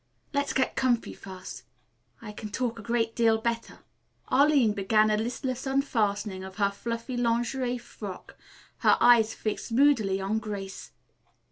"Let's get comfy first. I can talk a great deal better." Arline began a listless unfastening of her fluffy lingerie frock, her eyes fixed moodily on Grace.